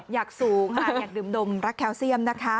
อยากสูงค่ะอยากดื่มนมรักแคลเซียมนะคะ